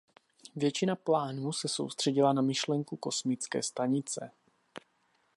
Většina plánů se soustředila na myšlenku kosmické stanice.